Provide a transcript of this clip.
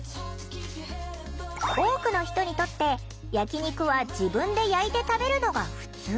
多くの人にとって焼き肉は自分で焼いて食べるのがふつう。